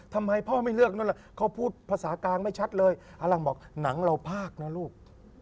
ทำไมพ่อไม่เลือกนั่นแหละเขาพูดภาษากลางไม่ชัดเลยอลังบอกหนังเราภาคนะลูก